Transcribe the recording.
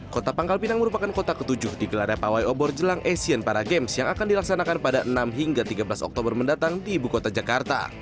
kota pangkal pinang merupakan kota ketujuh digelarnya pawai obor jelang asian para games yang akan dilaksanakan pada enam hingga tiga belas oktober mendatang di ibu kota jakarta